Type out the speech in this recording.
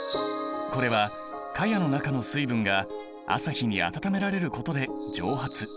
これはかやの中の水分が朝日に温められることで蒸発。